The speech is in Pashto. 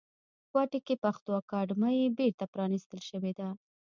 کوټې کې پښتو اکاډمۍ بیرته پرانیستل شوې ده